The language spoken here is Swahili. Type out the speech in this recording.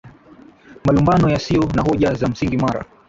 malumbano yasiyo na hoja za msingi mara